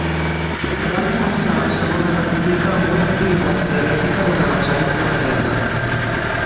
Va defensar la Segona República amb una activitat frenètica durant els anys de la guerra.